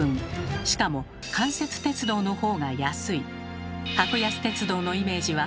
しかも官設鉄道のほうが安い。